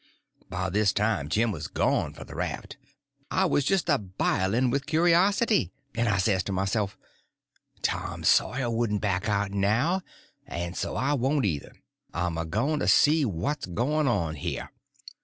By this time Jim was gone for the raft. I was just a biling with curiosity; and I says to myself, Tom Sawyer wouldn't back out now, and so I won't either; I'm a going to see what's going on here.